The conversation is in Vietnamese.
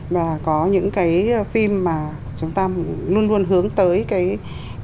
và có những cái phim mà chúng ta luôn luôn hướng tới cái